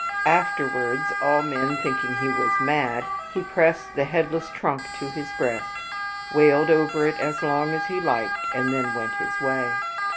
Afterwards, all men thinking he was mad, he pressed the headless trunk to his breast, wailed over it as long as he liked, and then went his way.